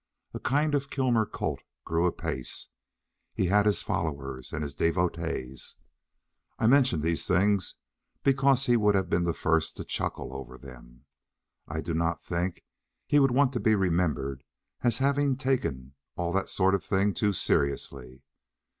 A kind of Kilmer cult grew apace; he had his followers and his devotees. I mention these things because he would have been the first to chuckle over them. I do not think he would want to be remembered as having taken all that sort of thing too seriously.